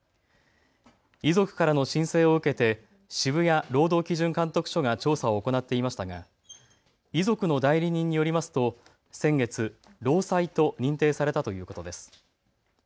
遺族からの申請を受けて渋谷労働基準監督署が調査を行っていましたが遺族の代理人によりますと先月、労災と認定されたということです。